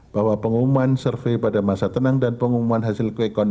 bahwa pengumuman survei pada masa tenang dan pengumuman hasil quick count